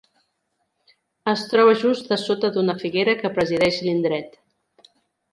Es troba just dessota d'una figuera que presideix l'indret.